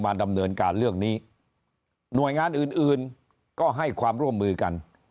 ดำเนินการเรื่องนี้หน่วยงานอื่นอื่นก็ให้ความร่วมมือกัน